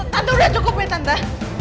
tante udah cukup ya tante